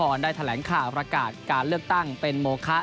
ได้แถลงข่าวประกาศการเลือกตั้งเป็นโมคะ